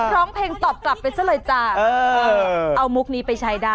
ร้องเพลงตอบกลับไปซะเลยจ้าเอามุกนี้ไปใช้ได้